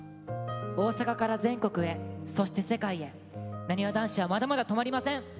大阪から全国へそして世界へ、なにわ男子はまだまだ止まりません！